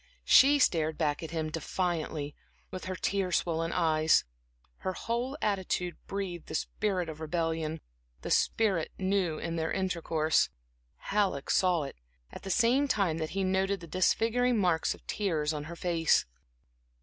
She stared back at him defiantly, with her tear swollen eyes. Her whole attitude breathed the spirit of rebellion; a spirit new in their intercourse. Halleck saw it, at the same time that he noted the disfiguring marks of tears on her face.